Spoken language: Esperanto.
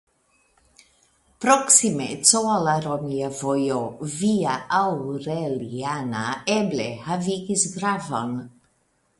Proksimeco al la romia vojo Via Aureliana eble havigis gravon.